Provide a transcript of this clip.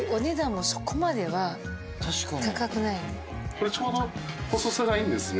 これちょうど細さがいいんですね。